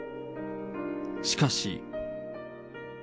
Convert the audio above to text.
しかし。